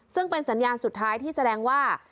ซึ่งเป็นสัญญาณสุดท้ายที่แสดงว่า